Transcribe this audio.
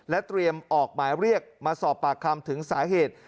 เตรียมออกหมายเรียกมาสอบปากคำถึงสาเหตุ